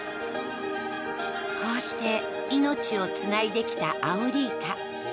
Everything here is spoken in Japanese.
こうして命をつないできたアオリイカ。